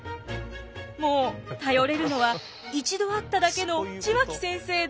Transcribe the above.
もう頼れるのは一度会っただけの血脇先生だけ。